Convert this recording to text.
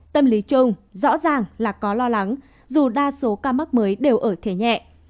tâm lý chung rõ ràng là có lo lắng dù đa số ca mắc mới đều ở thế nhẹ